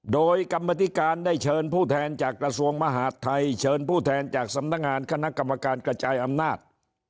โดยกรรมธิการได้เชิญผู้แทนจากกระทรวงมหาดไทยเชิญผู้แทนจากสำนักงานคณะกรรมการกระจายอำนาจ